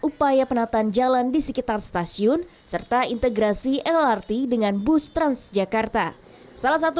upaya penataan jalan di sekitar stasiun serta integrasi lrt dengan bus transjakarta salah satu